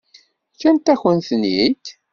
Ǧǧan-akent-ten-id?